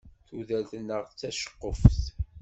Tudert-nneɣ d taceqquft.